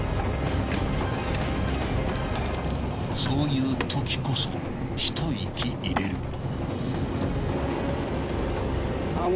そういうときこそ一息入れる。